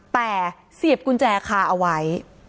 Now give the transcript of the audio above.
แต่เสียบกุญแจคาเอาไว้